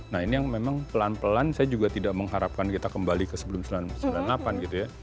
nah ini yang memang pelan pelan saya juga tidak mengharapkan kita kembali ke sebelum seribu sembilan ratus sembilan puluh delapan gitu ya